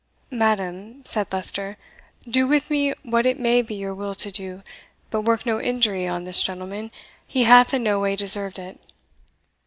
"Madam," said Leicester, "do with me what it may be your will to do, but work no injury on this gentleman; he hath in no way deserved it."